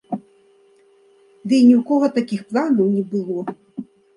Ды і ні ў каго такіх планаў не было.